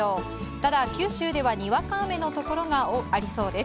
ただ、九州ではにわか雨のところがありそうです。